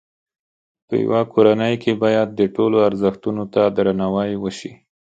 په یوه کورنۍ کې باید د ټولو ازرښتونو ته درناوی وشي.